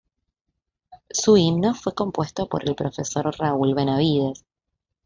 Su himno fue compuesto por el profesor Raúl Benavides.